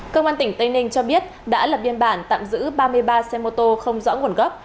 công an tỉnh tây ninh cho biết đã lập biên bản tạm giữ ba mươi ba xe mô tô không rõ nguồn gốc